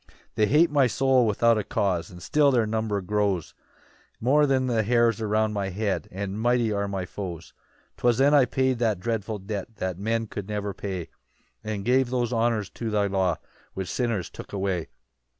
3 "They hate my soul without a cause, "And still their number grows "More than the hairs around my head, "And mighty are my foes. 4 "'Twas then I paid that dreadful debt "That men could never pay, "And gave those honours to thy law "Which sinners took away."